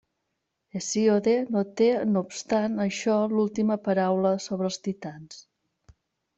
Hesíode no té no obstant això l'última paraula sobre els titans.